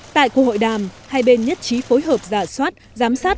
tại cuộc hội đàm hai bên nhất trí phối hợp giả soát